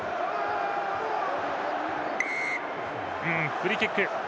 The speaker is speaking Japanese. フリーキック。